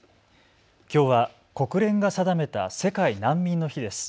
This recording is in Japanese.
きょうは国連が定めた世界難民の日です。